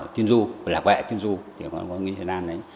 tiên du lạc vệ tiên du